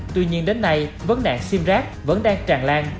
tuy nhiên đến nay vấn nạn sim rác vẫn đang tràn lan